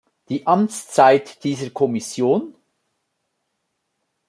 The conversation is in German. Die Amtszeit dieser Kommission?